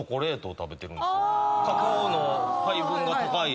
カカオの配分が高い。